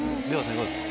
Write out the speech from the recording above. いかがですか？